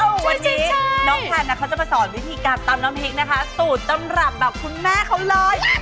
วันนี้น้องแพนเขาจะมาสอนวิธีการตำน้ำพริกนะคะสูตรตำรับแบบคุณแม่เขาเลย